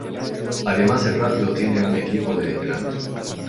Además el Rápido tiene un equipo de veteranos.